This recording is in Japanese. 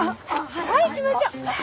はい行きましょう！